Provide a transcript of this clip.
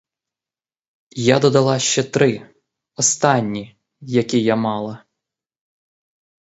Я додала ще три, останні, які я мала.